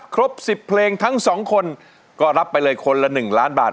ครบ๑๐เพลงทั้ง๒คนก็รับไปเลยคนละ๑ล้านบาท